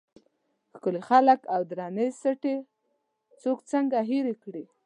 ښکلي خلک او درنې سټې څوک څنګه هېر کړي.